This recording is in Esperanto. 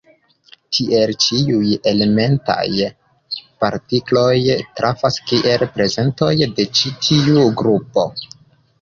Tiel, ĉiuj elementaj partikloj trafas kiel prezentoj de ĉi tiu grupo.